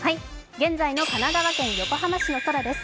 現在の神奈川県横浜市の空です。